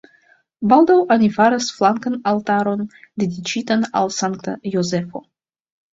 Baldaŭ oni faras flankan altaron dediĉitan al Sankta Jozefo.